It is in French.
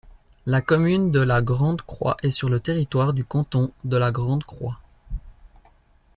La commune de La Grand-Croix est sur le territoire du canton de La Grand-Croix.